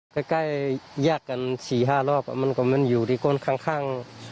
ใกล้แยกกัน๔๕รอบมันก็มันอยู่ที่ก้นข้าง